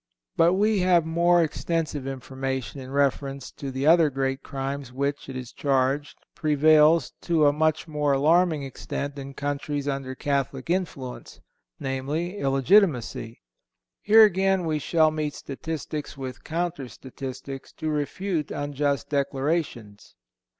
But we have more extensive information in reference to the other great crime which, it is charged, prevails to a much more alarming extent in countries under Catholic influence, viz., illegitimacy. Here again we shall meet statistics with counter statistics to refute unjust declarations.